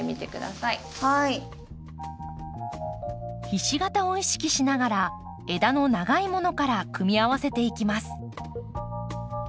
ひし形を意識しながら枝の長いものから組み合わせていきます。